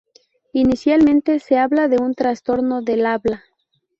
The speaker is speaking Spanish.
Inicialmente, se habla de un trastorno del habla.